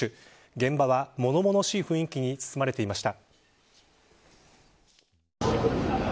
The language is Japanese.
現場は、物々しい雰囲気に包まれていました。